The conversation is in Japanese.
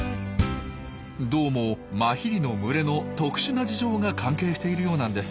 どうもマヒリの群れの特殊な事情が関係しているようなんです。